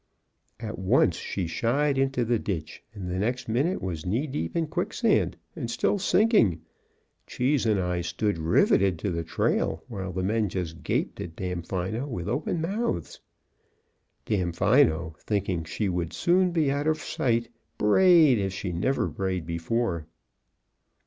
At once she shied into the ditch, and the next minute was knee deep in quicksand, and still sinking. Cheese and I stood riveted to the trail, while the men just gaped at Damfino with open mouths. Damfino, thinking she would soon be out of sight, brayed as she never brayed before.